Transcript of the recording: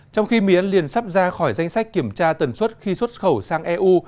trong khi mía liền sắp ra khỏi danh sách kiểm tra tần suất khi xuất khẩu sang eu